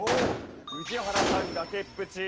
宇治原さん崖っぷち。